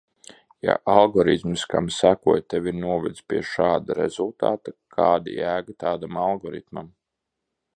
Ja algoritms, kam sekoji, tevi ir novedis pie šāda rezultāta, kāda jēga tādam algoritmam?